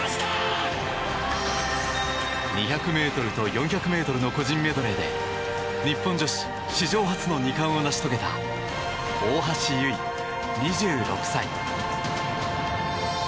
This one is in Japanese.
２００ｍと４００ｍの個人メドレーで日本女子史上初の２冠を成し遂げた大橋悠依、２６歳。